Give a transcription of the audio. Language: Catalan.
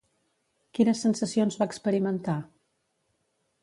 Quines sensacions va experimentar?